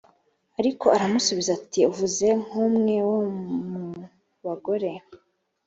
Ariko aramusubiza ati “Uvuze nk’umwe wo mu bagore